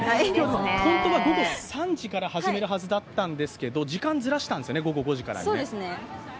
ホントは午後３時から始まるはずだったんですけど時間、ずらしたんですよね、午後５時からに。